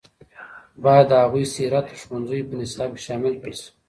باید د هغوی سیرت د ښوونځیو په نصاب کې شامل کړل شي.